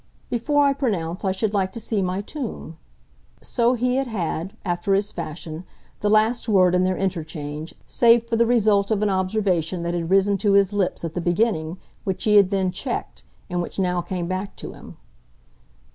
"Before I pronounce I should like to see my tomb." So he had had, after his fashion, the last word in their interchange, save for the result of an observation that had risen to his lips at the beginning, which he had then checked, and which now came back to him.